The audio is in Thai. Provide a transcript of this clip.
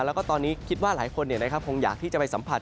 แล้วก็ตอนนี้คิดว่าหลายคนคงอยากที่จะไปสัมผัส